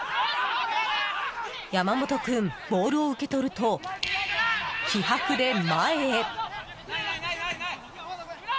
山本君、ボールを受け取ると気迫で前へ。